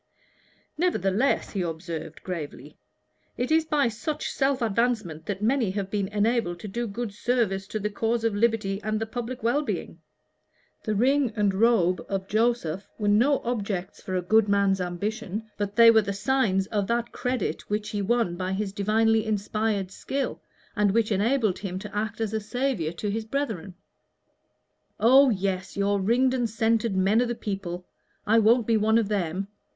"Nevertheless," he observed, gravely, "it is by such self advancement that many have been enabled to do good service to the cause of liberty and to the public well being. The ring and the robe of Joseph were no objects for a good man's ambition, but they were the signs of that credit which he won by his divinely inspired skill, and which enabled him to act as a saviour to his brethren." "Oh, yes, your ringed and scented men of the people! I won't be one of them.